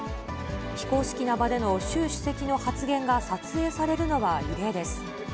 非公式な場での習主席の発言が撮影されるのは異例です。